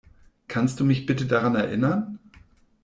Kannst du mich bitte daran erinnern?